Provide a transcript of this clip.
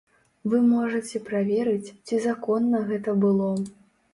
Вы можаце праверыць, ці законна гэта было.